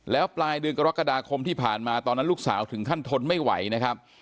แล้วปลายเดือนกรกฎาคมที่ผ่านมาตอนนั้นลูกสาวถึงขั้นทนไม่ไหวนะครับ